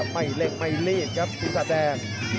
ไม่เล่นไม่เล่นครับพี่สัตว์แดง